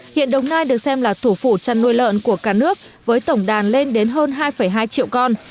hiện đồng nai được xem là thủ phủ chăn nuôi lợn của cả nước với tổng đàn lên đến hơn hai hai triệu con